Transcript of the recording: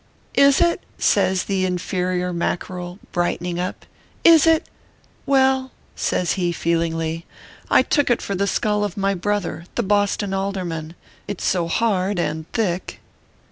" Is it ?" says the inferior Mackerel, brightening up, " is it ? Well/ says he, feelingly, " I took it for the skull of my brother, the Boston Alderman it s so hard and thick."